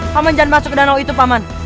paman jangan masuk ke danau itu paman